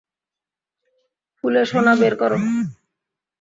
খুলে সোনা বের করো।